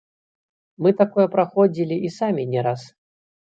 Мы такое праходзілі і самі не раз.